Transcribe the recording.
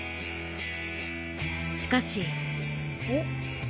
しかし。